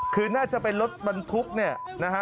มึงสดจริงเหรอ